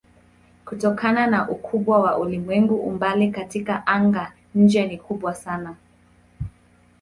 Kutokana na ukubwa wa ulimwengu umbali katika anga-nje ni kubwa sana.